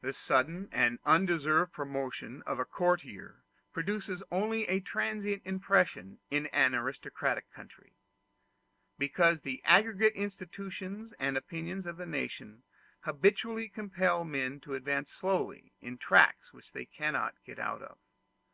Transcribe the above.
The sudden and undeserved promotion of a courtier produces only a transient impression in an aristocratic country, because the aggregate institutions and opinions of the nation habitually compel men to advance slowly in tracks which they cannot get out of.